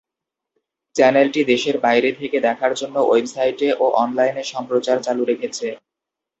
চ্যানেলটি দেশের বাইরে থেকে দেখার জন্য ওয়েবসাইটে ও অনলাইন সম্প্রচার চালু রেখেছে।